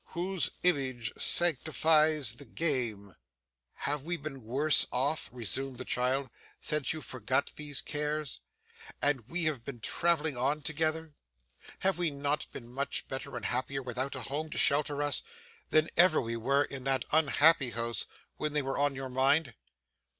'Whose image sanctifies the game?' 'Have we been worse off,' resumed the child, 'since you forgot these cares, and we have been travelling on together? Have we not been much better and happier without a home to shelter us, than ever we were in that unhappy house, when they were on your mind?